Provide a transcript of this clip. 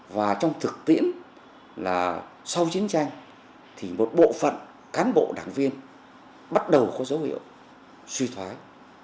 và trong thực tiễn là sau chiến tranh thì một bộ phận cán bộ đảng viên bắt đầu có dấu hiệu suy thoái